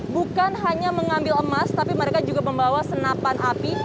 bukan hanya mengambil emas tapi mereka juga membawa senapan api